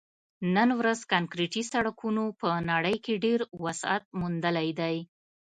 نن ورځ کانکریټي سړکونو په نړۍ کې ډېر وسعت موندلی دی